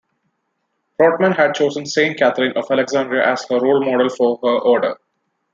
Protmann had chosen Saint Catherine of Alexandria as her role model for her order.